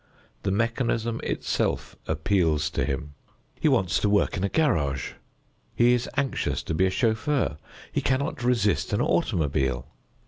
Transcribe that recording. The mechanism itself appeals to him. He wants to work in a garage. He is anxious to be a chauffeur. He cannot resist an automobile.